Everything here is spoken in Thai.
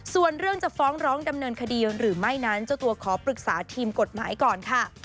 ส่วนเรื่องจะฟ้องร้องดำเนินคดีหรือไม่นั้นเจ้าตัวขอปรึกษาทีมกฎหมายก่อนค่ะ